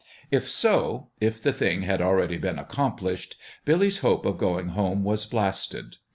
If so if the thing had already been accomplished Billy's hope of going home was blasted.